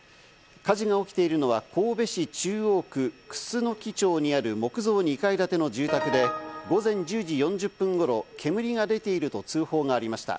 火事が起きているのは神戸市中央区楠町にある木造２階建ての住宅で、午前１０時４０分頃、煙が出ていると通報がありました。